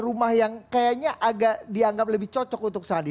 rumah yang kayaknya agak dianggap lebih cocok untuk sandi